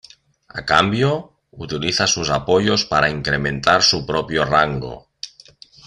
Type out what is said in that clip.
A cambio, utiliza sus apoyos para incrementar su propio rango.